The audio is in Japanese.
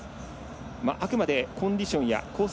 あくまでコンディションやコース